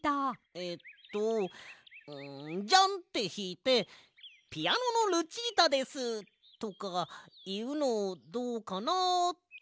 えっとんジャンってひいて「ピアノのルチータです！」とかいうのどうかなって。